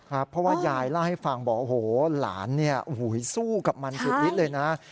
เพราะว่ายายเล่าให้ฟังบอกโอ้โหหลานเนี่ยโอ้โหสู้กับมันสุดฤทธิเลยนะ